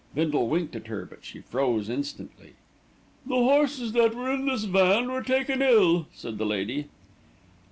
Bindle winked at her; but she froze instantly. "The horses that were in this van were taken ill," said the lady.